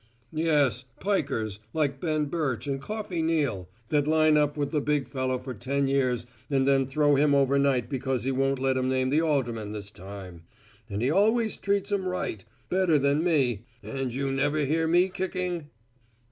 "Yes, 'pikers' like Ben Birch and Coffey Neal, that line up with the big fellow for ten years and then throw him overnight because he won't let 'em name the alderman this time. And he always treated 'em right. Better than me. An' jou ever hear me kicking?"